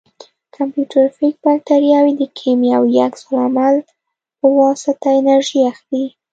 کیموټروفیک باکتریاوې د کیمیاوي عکس العمل په واسطه انرژي اخلي.